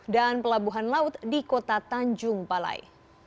dan pelabuhan laut di kota tanjung palai